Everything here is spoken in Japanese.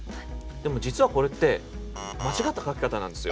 でも実はこれって間違った書き方なんですよ。